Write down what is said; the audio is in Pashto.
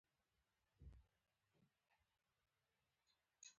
د چهار برجک کلاګانې لري